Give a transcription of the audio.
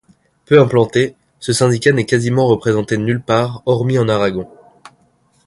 Peu implanté, ce syndicat n'est quasiment représenté nulle part hormis en Aragon.